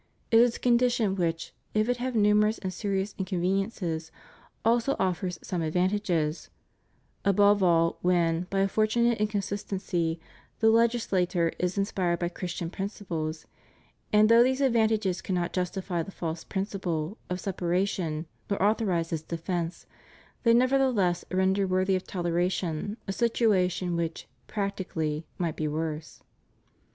It is a condition which, if it have numerous and serious inconveniences, also offers some advantages — above all when, by a fortunate inconsistency, the legislator is inspired by Christian principles — and, though these advantages cannot justify the false principle of separation nor authorize its defence, they nevertheless render worthy of toleration a situation which, practically, might be worse.